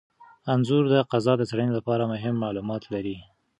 انځور د فضا د څیړنې لپاره مهم معلومات لري.